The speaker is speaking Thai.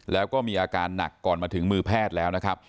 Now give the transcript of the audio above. แล้วก็มีอาการหนักก่อนมาถึงมือแพทย์แล้วนะครับ